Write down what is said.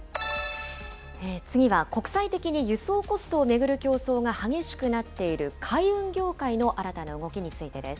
次は国際的に輸送コストを巡る競争が激しくなっている海運業界の新たな動きについてです。